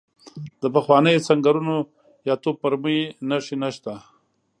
د پخوانیو سنګرونو یا توپ مرمۍ نښې نشته.